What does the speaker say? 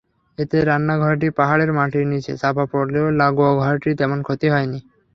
এতে রান্নাঘরটি পাহাড়ের মাটির নিচে চাপা পড়লেও লাগোয়া ঘরটির তেমন ক্ষতি হয়নি।